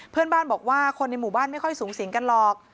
เพื่อนบ้านบอกว่าคนในหมู่บ้านไม่ค่อยสูงสิงกันหรอก